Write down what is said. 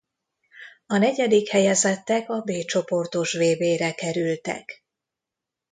A negyedik helyezettek a B csoportos vb-re kerültek.